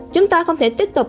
chúng ta không thể tiếp tục